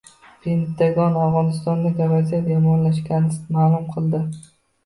Pentagon Afg‘onistondagi vaziyat yomonlashganini ma’lum qildi